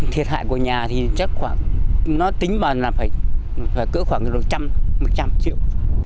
thiệt hại của nhà thì chắc khoảng nó tính bằng là phải cỡ khoảng một trăm linh triệu